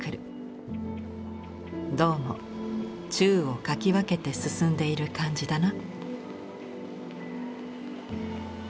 どうも宙を掻き分けて進んでいる感じだな」。